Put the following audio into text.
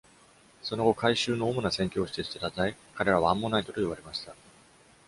その後、改宗の主な宣教師として称え、彼らはアンモナイトと呼ばれました。